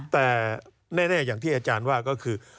แต่แน่อย่างที่อาจารย์ว่าก็คือ